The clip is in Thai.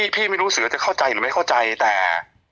ไม่รู้เสือจะเข้าใจหรือไม่เข้าใจแต่